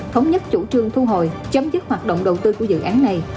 thống nhất chủ trương thu hồi chấm dứt hoạt động đầu tư của dự án này